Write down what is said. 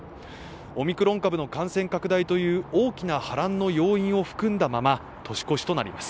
オミクロン株の感染拡大という大きな波乱の要因を含んだまま年越しとなります。